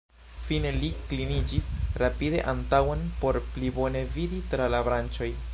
Fine li kliniĝis rapide antaŭen por pli bone vidi tra la branĉoj.